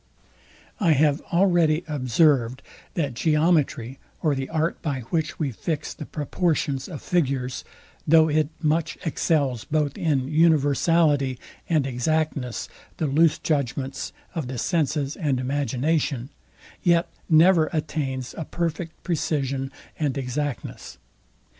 I have already observed, that geometry, or the art, by which we fix the proportions of figures; though it much excels both in universality and exactness, the loose judgments of the senses and imagination; yet never attains a perfect precision and exactness.